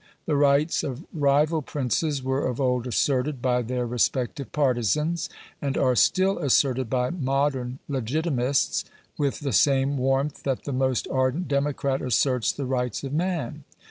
The rights of rival princes were of old asserted by their respective partisans, and are still asserted by modern legitimists, with the same warmth that the most ardent democrat asserts the rights of man.